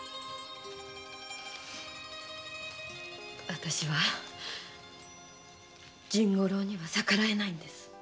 わたしは甚五郎には逆らえないんです。